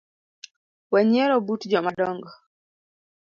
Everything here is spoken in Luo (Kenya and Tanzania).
Wenyiero but jomadongo